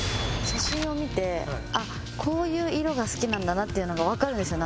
写真を見てこういう色が好きなんだなっていうのがわかるんですよ